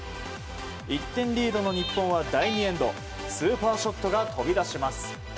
１点リードの日本は第２エンドスーパーショットが飛び出します。